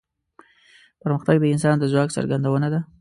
پرمختګ د انسان د ځواک څرګندونه ده.